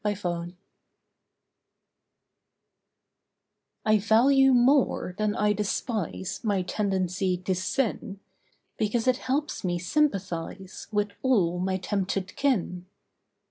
UNDERSTOOD I value more than I despise My tendency to sin, Because it helps me sympathise With all my tempted kin.